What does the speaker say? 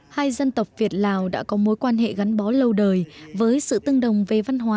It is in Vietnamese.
hai dân tộc việt lào đã có mối quan hệ gắn bó lâu đời với sự tương đồng về văn hóa